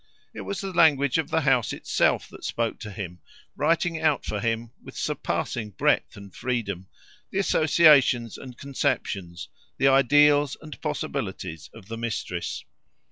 It was the language of the house itself that spoke to him, writing out for him with surpassing breadth and freedom the associations and conceptions, the ideals and possibilities of the mistress.